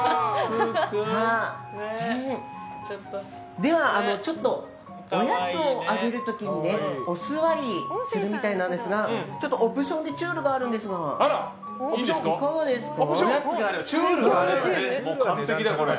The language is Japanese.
ではちょっとおやつをあげる時にお座りするみたいなんですがオプションでちゅるがあるんですが、いかがですか？